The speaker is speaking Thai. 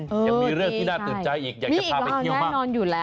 ยังมีเรื่องที่น่าตื่นใจอีกอยากจะพาไปที่นี่มาก